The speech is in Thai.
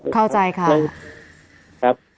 เข้าใจค่ะ